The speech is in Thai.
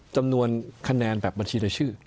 จำนวนคะแนนแบบบัญชีรายชื่อ